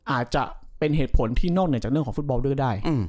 อาจจะเป็นเหตุผลที่นอกเหนือจากเรื่องของฟุตบอลด้วยก็ได้